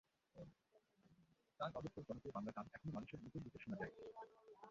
তাঁর অজস্র জনপ্রিয় বাংলা গান এখনো মানুষের মুখে মুখে শোনা যায়।